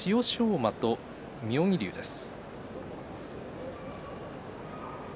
馬と妙義龍です。